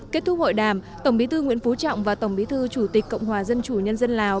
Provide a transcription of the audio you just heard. kết thúc hội đàm tổng bí thư nguyễn phú trọng và tổng bí thư chủ tịch cộng hòa dân chủ nhân dân lào